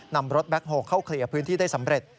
นำรถแบ็คโฮลเข้าเคลียร์พื้นที่ได้สำเร็จ